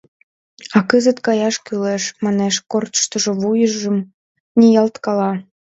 А кызыт каяш кӱлеш, — манеш, корштышо вуйжым ниялткала.